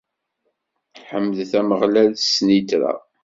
Ḥemdet Ameɣlal s snitra.